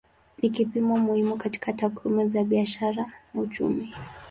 Ni kipimo muhimu katika takwimu za biashara na uchumi.